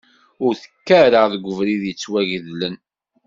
Ur tekk ara deg ubrid yettwagedlen.